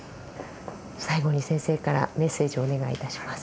最後に先生からメッセージをお願いいたします。